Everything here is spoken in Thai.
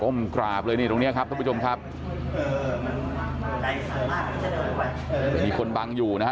กราบเลยนี่ตรงเนี้ยครับทุกผู้ชมครับมีคนบังอยู่นะฮะ